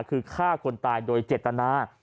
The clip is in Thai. คือฆ่าคนตายโดยเจตนา